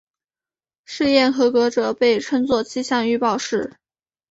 试验合格者被称作气象预报士。